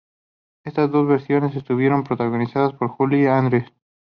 Estas dos versiones estuvieron protagonizadas por Julie Andrews.